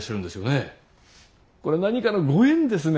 これ何かのご縁ですね。